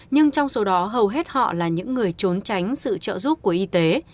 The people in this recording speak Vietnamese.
nhưng trong số đó hầu hết họ là những người trốn tránh sự trợ giúp của y tế